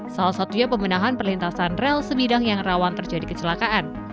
salah satunya pemenahan perlintasan rel sebidang yang rawan terjadi kecelakaan